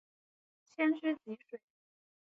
迁居蕲水。